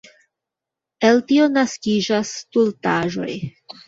El tio naskiĝas stultaĵoj.